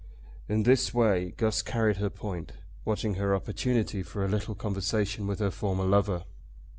In this way Guss carried her point, watching her opportunity for a little conversation with her former lover.